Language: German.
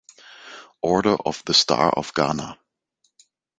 Order of the Star of Ghana